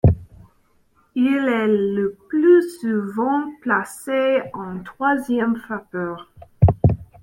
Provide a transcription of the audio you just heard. Il est le plus souvent placé en troisième frappeur.